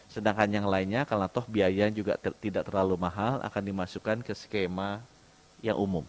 sedangkan yang lainnya kalau toh biaya juga tidak terlalu mahal akan dimasukkan ke skema yang umum